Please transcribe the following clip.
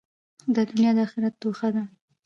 دا دؤنیا د آخرت توښه ده.